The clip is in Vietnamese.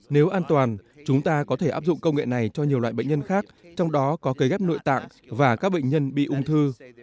nếu an toàn chúng ta có thể áp dụng công nghệ này cho nhiều loại bệnh nhân khác trong đó có cấy ghép nội tạng và các bệnh nhân bị ung thư